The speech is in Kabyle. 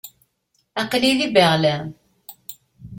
Aql-i di Berlin.